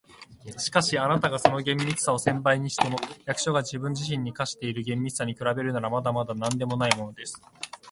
「しかし、あなたがその厳密さを千倍にしても、役所が自分自身に対して課している厳密さに比べるなら、まだまだなんでもないものです。